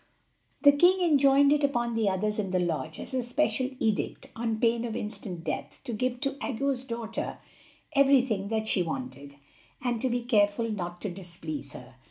The king enjoined it upon the others in the lodge as a special edict, on pain of instant death, to give to Aggo's daughter everything that she wanted, and to be careful not to displease her.